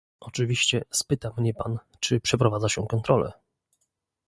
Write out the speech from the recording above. Oczywiście spyta mnie pan, czy przeprowadza się kontrole